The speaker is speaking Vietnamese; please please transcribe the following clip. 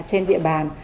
trên địa bàn